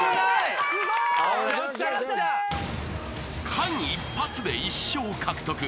［間一髪で１笑獲得］